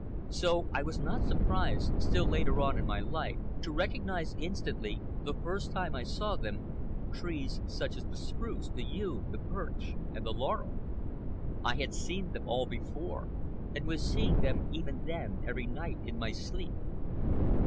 So I was not surprised, still later on in my life, to recognize instantly, the first time I saw them, trees such as the spruce, the yew, the birch, and the laurel. I had seen them all before, and was seeing them even then, every night, in my sleep.